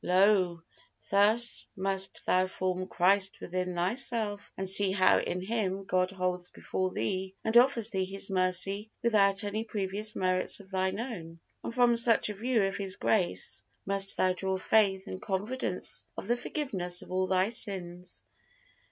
Lo! thus must thou form Christ within thyself and see how in Him God holds before thee and offers thee His mercy without any previous merits of thine own, and from such a view of His grace must thou draw faith and confidence of the forgiveness of all thy sins.